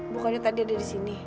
bukannya tadi ada di sini